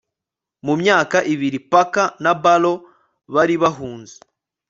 mu myaka ibiri, parker na barrow bari bahunze